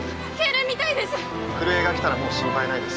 震えが来たらもう心配ないです。